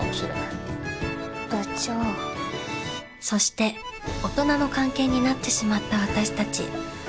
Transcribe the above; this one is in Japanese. そして大人の関係になってしまった私たち